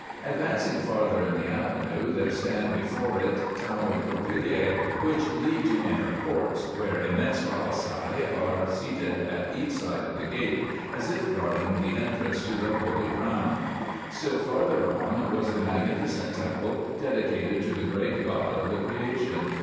Advancing farther in the avenue, there stand before it towering propylaea, which lead to inner courts, where immense colossi are seated at each side of the gate, as if guarding the entrance to the holy ground. Still farther on was the magnificent temple dedicated to the great God of the creation.